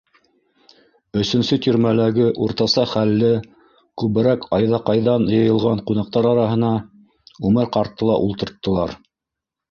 Өсөнсө тирмәләге уртаса хәлле, күберәк Айҙаҡайҙан йыйылған ҡунаҡтар араһына Үмәр ҡартты ла ултырттылар.